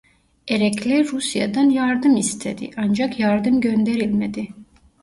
Erekle Rusya'dan yardım istedi ancak yardım gönderilmedi.